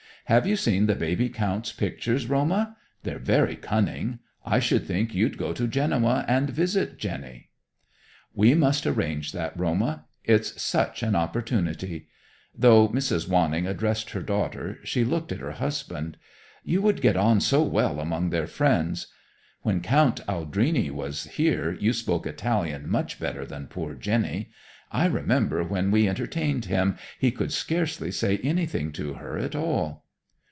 Have you seen the baby count's pictures, Roma? They're very cunning. I should think you'd go to Genoa and visit Jenny." "We must arrange that, Roma. It's such an opportunity." Though Mrs. Wanning addressed her daughter, she looked at her husband. "You would get on so well among their friends. When Count Aldrini was here you spoke Italian much better than poor Jenny. I remember when we entertained him, he could scarcely say anything to her at all."